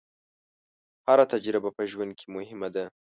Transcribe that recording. هره تجربه په ژوند کې مهمه ده.